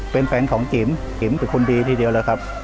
เป็นแฟนของจิ๋มจิ๋มเป็นคนดีทีเดียวแล้วครับ